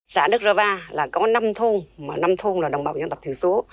xã đức rơ va là có năm thôn mà năm thôn là đồng bào dân tộc thiểu số